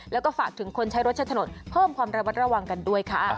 แล้วก็ฝากถึงคนใช้รถใช้ถนนเพิ่มความระมัดระวังกันด้วยค่ะ